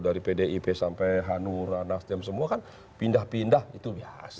dari pdip sampai hanura nasdem semua kan pindah pindah itu biasa